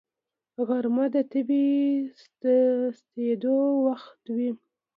غرمه د طبیعي سستېدو وخت وي